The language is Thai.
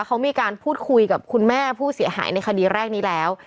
เขามีการพูดคุยกับคุณแม่ผู้เสียหายในคดีแรกนี้แล้ว